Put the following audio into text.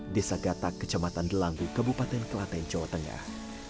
desa gatak kecamatan delang di kebupaten kelantan jawa tengah